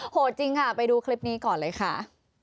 โหดจริงค่ะไปดูคลิปนี้ก่อนเลยค่ะ